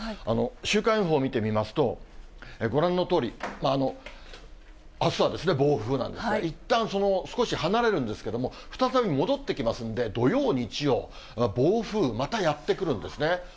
週間予報を見てみますと、ご覧のとおり、あすは暴風なんですが、いったん少し離れるんですけれども、再び戻ってきますんで、土曜、日曜、暴風、またやって来るんですね。